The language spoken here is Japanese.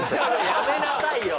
やめなさいよ。